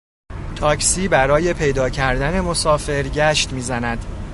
تاکسی برای پیدا کردن مسافر گشت میزند.